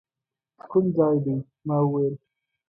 کوم ځای دی؟ ما وویل.